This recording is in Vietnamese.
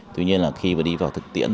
tuy nhiên là khi đi vào thực tiễn